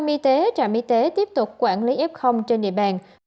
y tế trạm y tế tiếp tục quản lý f trên địa bàn